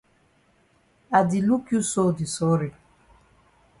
I di look you so di sorry.